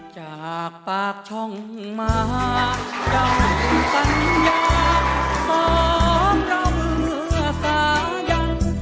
จากปากช่องมาด้านปัญญาหอมรำเมื่อสายัน